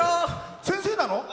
先生なの？